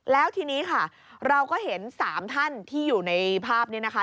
แล้วทีนี้ค่ะเราก็เห็น๓ท่านที่อยู่ในภาพนี้นะคะ